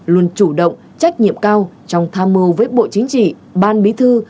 luôn chủ động trách nhiệm cao trong tham mưu với bộ chính trị ban bí thư